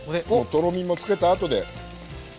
とろみもつけた後で。